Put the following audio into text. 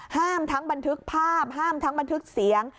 ทั้งบันทึกภาพห้ามทั้งบันทึกเสียง